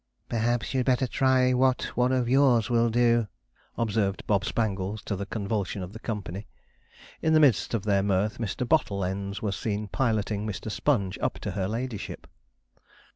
'Perhaps you'd better try what one of yours will do,' observed Bob Spangles, to the convulsion of the company. In the midst of their mirth Mr. Bottleends was seen piloting Mr. Sponge up to her ladyship.